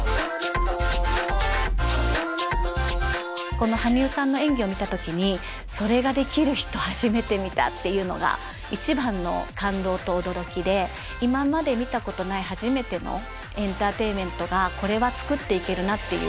この羽生さんの演技を見た時にそれができる人初めて見たっていうのが一番の感動と驚きで今まで見たことない初めてのエンターテインメントがこれは作っていけるなっていう。